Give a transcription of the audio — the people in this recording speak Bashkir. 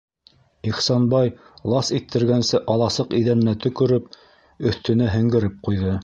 - Ихсанбай лас иттергәнсе аласыҡ иҙәненә төкөрөп өҫтөнә һеңгереп ҡуйҙы.